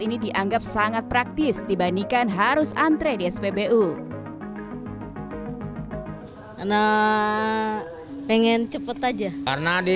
ini dianggap sangat praktis dibandingkan harus antre di spbu pengen cepat aja karena ada